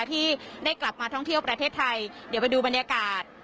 ที่ได้กลับมาท่องเที่ยวประเทศไทยเดี๋ยวไปดูบรรยากาศ